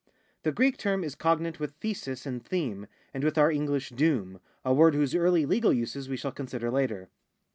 The Greek term is cognate with thesis and theme, and with our English doom, a word whose early legal uses we shall consider later.